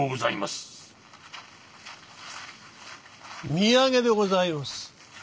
土産でございます。